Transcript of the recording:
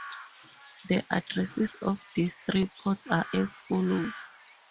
The addresses of these three ports are as follows.